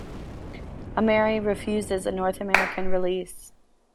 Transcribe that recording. Amerie refuses a North American release.